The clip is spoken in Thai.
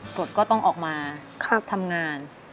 กฎก็ต้องออกมาทำงาน